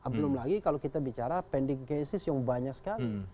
belum lagi kalau kita bicara pending cases yang banyak sekali